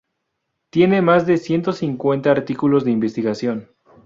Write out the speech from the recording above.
Tiene más de ciento cincuenta artículos de investigación.